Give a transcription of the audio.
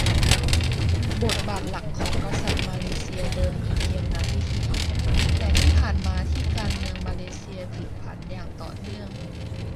บทบาทหลักของกษัตริย์มาเลเซียเดิมมีเพียงงานพิธี แต่ที่ผ่านมาที่การเมืองมาเลเซียผลิกผันต่อเนื่อง